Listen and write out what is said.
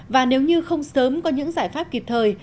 và nếu như không sớm có những giải pháp kịp thời